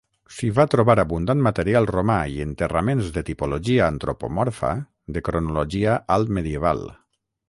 S'hi va trobar abundant material romà i enterraments de tipologia antropomorfa de cronologia altmedieval.